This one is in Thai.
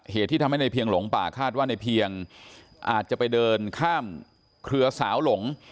เหตุที่ทำให้ในเพียงหลงป่าคาดว่าในเพียงอาจจะไปเดินข้ามเครือสาวหลง